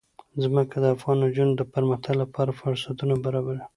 ځمکه د افغان نجونو د پرمختګ لپاره فرصتونه برابروي.